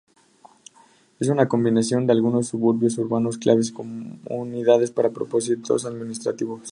Es una combinación de algunos suburbios urbanos claves y comunidades para propósitos administrativos.